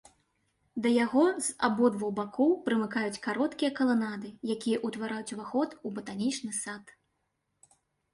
Да яго з абодвух бакоў прымыкаюць кароткія каланады, якія ўтвараюць ўваход у батанічны сад.